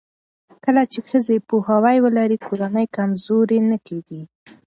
کله چې ښځې پوهاوی ولري، کورنۍ کمزورې نه کېږي.